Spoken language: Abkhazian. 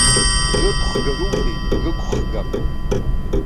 Рықәхга руҭеит, рықәхга.